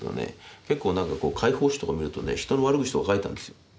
結構何か会報誌とか見るとね人の悪口とか書いてあんですよ。